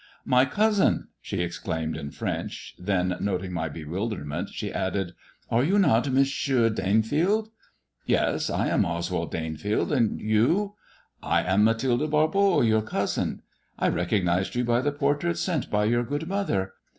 " My cousin 1 " she exclaimed in French, then, noting my bewilderment, she added : "Are you not M. Danefieldl" " Yes ! I am Oswald Danefield, and you 1 "" I am Mathilde Barbot, your cousin. I recognized you by the portrait sent by your good mother.